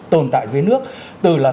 tồn tại dưới nước từ là